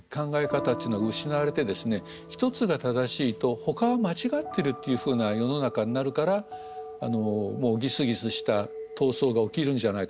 １つが正しいとほかは間違ってるっていうふうな世の中になるからギスギスした闘争が起きるんじゃないかっていうふうに私は思うんです。